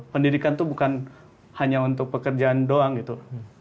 pendidikan itu bukan hanya untuk pekerjaan doang gitu